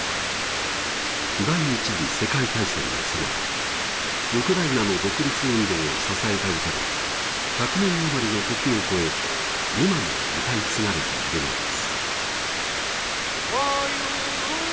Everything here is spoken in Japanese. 第一次世界大戦のさなか、ウクライナの独立運動を支えた歌が１００年余りの時を超え、今も歌い継がれているのです。